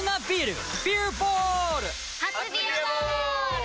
初「ビアボール」！